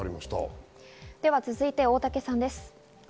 続いて、大竹さんです。